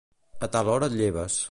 A tal hora et lleves.